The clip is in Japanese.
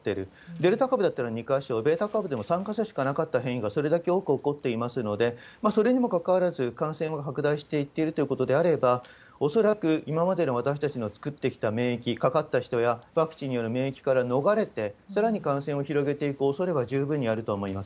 デルタ株だったら２か所、ベータ株でも３か所しかなかった変異がそれだけ多く起こっていますので、それにもかかわらず、感染は拡大していってるということであれば、恐らく今までの私たちの作ってきた免疫、かかった人やワクチンによる免疫から逃れて、さらに感染を広げていくおそれは十分にあると思います。